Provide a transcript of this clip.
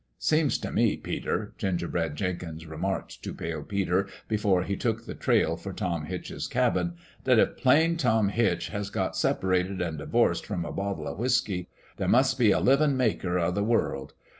" Seems t' me, Peter," Gingerbread Jenkins remarked to Pale Peter, before he took the trail for Tom Hitch's cabin, "that if Plain 74 In LOYE WITH A FLOWER Tom Hitch has got separated and divorced from a bottle o' whiskey, there must be a Livin' Maker o' the World.